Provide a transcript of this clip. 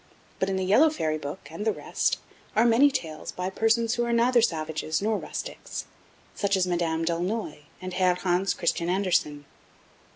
But, in the Yellow Fairy Book, and the rest, are many tales by persons who are neither savages nor rustics, such as Madame D'Aulnoy and Herr Hans Christian Andersen.